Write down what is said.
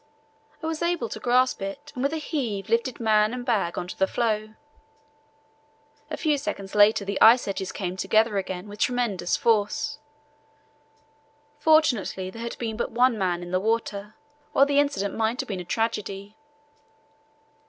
I was able to grasp it, and with a heave lifted man and bag on to the floe. A few seconds later the ice edges came together again with tremendous force. Fortunately, there had been but one man in the water, or the incident might have been a tragedy.